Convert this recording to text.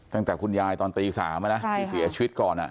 ตั้งแต่คุณยายตอนตีสามอะนะใช่ค่ะที่เสียชีวิตก่อนอะ